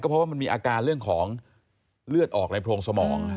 เพราะว่ามันมีอาการเรื่องของเลือดออกในโพรงสมอง